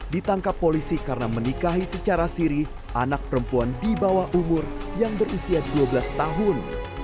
ditangkap polisi karena menikahi secara siri anak perempuan di bawah umur yang berusia dua belas tahun